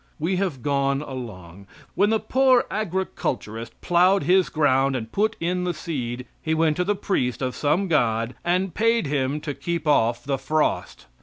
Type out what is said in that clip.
We have gone along. When the poor agriculturist plowed his ground and put in the seed he went to the priest of some god and paid him to keep off the frost.